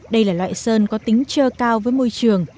đây là loại sơn có tính trơ cao với môi trường